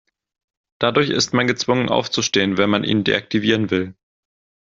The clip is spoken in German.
Dadurch ist man gezwungen aufzustehen, wenn man ihn deaktivieren will.